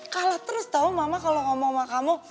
kalah terus tau mama kalau ngomong sama kamu